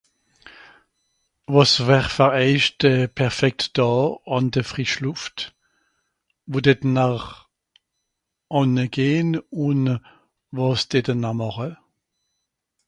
Wàs wär fer eich de perfekt Dàà àn de frisch Lùft? Wo däte-n-r ànne gehn ùn wàs däte-n-r màche?